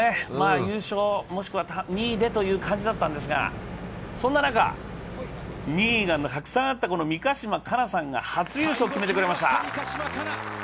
優勝もしくは２位でという感じだったんですがそんな中、２位がたくさんあった三ヶ島かなさんが初優勝を決めてくれました。